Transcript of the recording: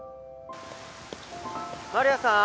丸谷さん？